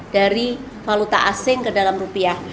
dari valuta asing ke dalam rupiah